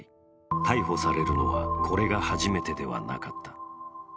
逮捕されるのは、これが初めてではなかった。